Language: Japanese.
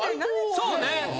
そうね。